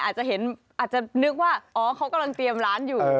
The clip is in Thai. อาจจะนึกว่าเขากำลังเตรียมร้านอยู่